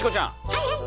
はいはい！